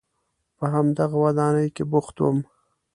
په همدغه ودانۍ کې بوخت وم.